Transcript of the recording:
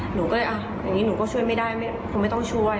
หนูก็เลยอ่ะอย่างนี้หนูก็ช่วยไม่ได้คงไม่ต้องช่วย